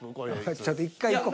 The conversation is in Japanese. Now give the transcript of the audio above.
ちょっと１回行こう。